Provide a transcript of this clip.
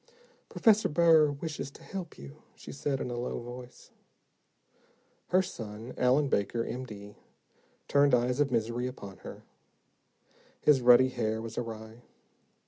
"Professor Burr wishes to help you," she said, in a low voice. Her son, Allen Baker, M. D., turned eyes of misery upon her. His ruddy hair was awry.